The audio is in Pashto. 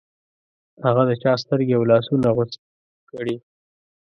هغه د چا سترګې او لاسونه غوڅ کړې.